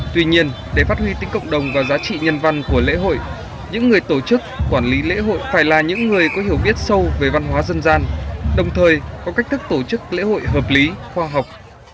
tuy nhiên để phát huy tính cộng đồng và giá trị nhân văn của lễ hội những người tổ chức quản lý lễ hội phải là những người có hiểu biết sâu về văn hóa dân gian đồng thời có cách thức tổ chức lễ hội hợp lý khoa học